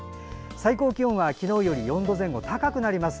最高気温は昨日より４度前後高くなります。